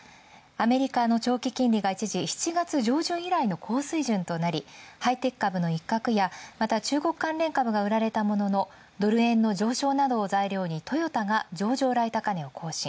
アメリカの長期金利が７月上旬以来の高水準となり、ハイテク株の一角や、また中国関連株が売られたもののドル円の上昇などを材料にトヨタが上場来高値を更新。